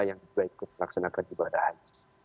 yang juga ikut melaksanakan ibadah haji